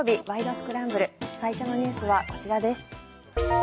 スクランブル」最初のニュースはこちらです。